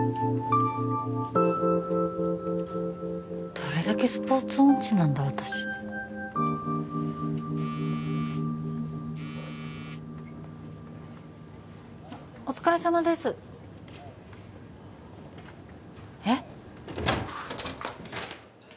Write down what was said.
どれだけスポーツ音痴なんだ私お疲れさまですえっ？